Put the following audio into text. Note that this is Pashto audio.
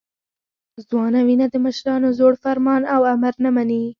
ځوانه وینه د مشرانو زوړ فرمان او امر نه مني.